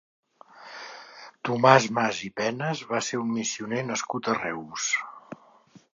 Tomàs Mas i Penes va ser un missioner nascut a Reus.